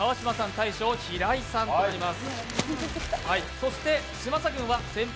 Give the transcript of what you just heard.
大将、平井さんとなります。